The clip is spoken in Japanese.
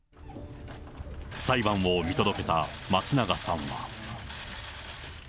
裁判を見届けた松永さんは。